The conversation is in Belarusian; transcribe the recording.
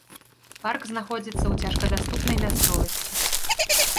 Парк знаходзіцца ў цяжкадаступнай мясцовасці.